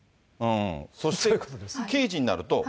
そして刑事になると。